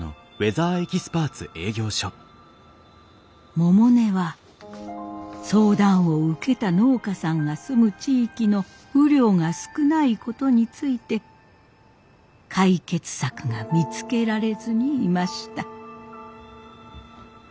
百音は相談を受けた農家さんが住む地域の雨量が少ないことについて解決策が見つけられずにいました。